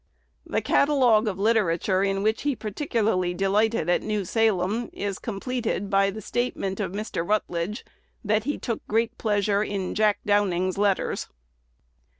The catalogue of literature in which he particularly delighted at New Salem is completed by the statement of Mr. Rutledge, that he took great pleasure in "Jack Downing's Letters."